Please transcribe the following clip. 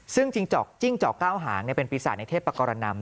ซึ่งจิ้งจอกเก้าหางเป็นปีศาจในเทพกรนำ